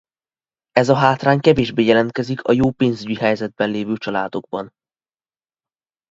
Ez a hátrány kevésbé jelentkezik a jó pénzügyi helyzetben lévő családokban.